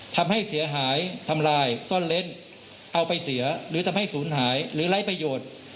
ทำให้เสียหายทำลายซ่อนเล้นเอาไปเสียหรือทำให้ศูนย์หายหรือไร้ประโยชน์